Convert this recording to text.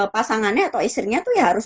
pasangannya atau istrinya tuh ya harus